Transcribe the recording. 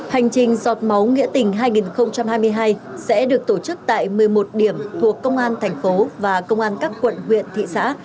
hành trình giọt máu nghĩa tình hai nghìn hai mươi hai sẽ được tổ chức tại một mươi một điểm thuộc công an thành phố và công an các quận huyện thị xã